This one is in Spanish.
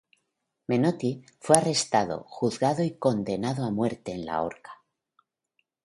Menotti fue arrestado juzgado y condenado a muerte en la horca.